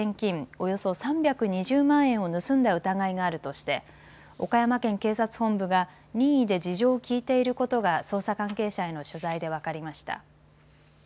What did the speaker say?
およそ３２０万円を盗んだ疑いがあるとして岡山県警察本部が任意で事情を聴いていることが捜査関係者への取材で分かりました。